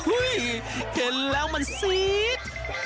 อุ้ยเห็นแล้วมันซี๊ด